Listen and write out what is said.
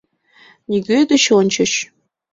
Нигӧ деч ончыч.